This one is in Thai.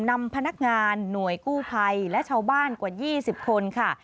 นำพนักงานหน่วยกู้ภัยและชาวบ้านกว่า๒๐คนค่ะ